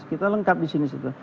kita lengkap di sini situ